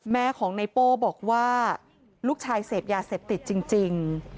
แม่ของในโป้บอกว่าลูกชายเสพยาเสพติดจริง